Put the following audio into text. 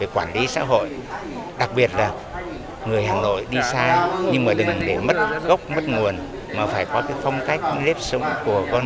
cho người hà nội đi xa nhưng mà đừng để mất gốc mất nguồn mà phải có cái phong cách lếp sống của con